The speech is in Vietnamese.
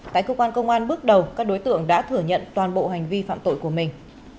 tại công an bước đầu các đối tượng đã thừa nhận toàn bộ hành vi phạm tội của mình